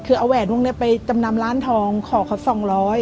คือเอาแหวนพวกนี้ไปจำนำร้านทองขอเขาสองร้อย